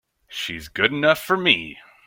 She's good enough for me!